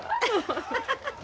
アハハハ。